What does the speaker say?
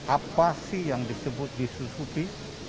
apa sih yang disebut disusupi